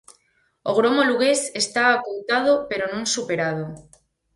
O gromo lugués está acoutado pero non superado.